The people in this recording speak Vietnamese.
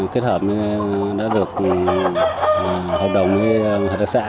kết hợp đã được hợp đồng với hợp tác xã